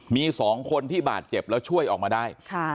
มี๒คนที่บาดเจ็บแล้วช่วยออกมาได้